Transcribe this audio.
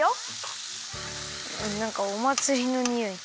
なんかおまつりのにおい。